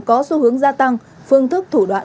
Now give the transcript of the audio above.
có xu hướng gia tăng phương thức thủ đoạn